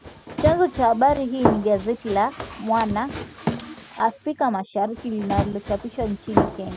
Chanzo cha habari hii ni gazeti la “Mwana Afrika Mashariki” linalochapishwa nchini Kenya